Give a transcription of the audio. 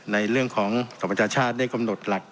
ในเรื่องของสมประชาชาติได้กำหนดหลัก